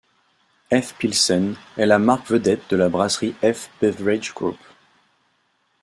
Efes Pilsen est la marque vedette de la brasserie Efes Beverage Group.